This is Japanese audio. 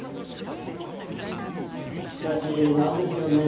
しかし何ですよね。